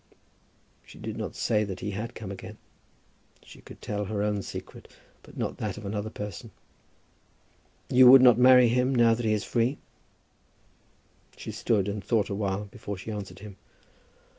She did not say that he had come again. She could tell her own secret, but not that of another person. "You would not marry him, now that he is free?" She stood and thought a while before she answered him.